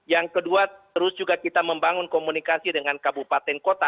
yang kedua terus juga kita membangun komunikasi dengan kabupaten kota